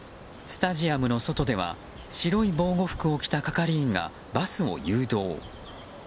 スタジアムの外では白い防護服を着た係員がバスを誘導。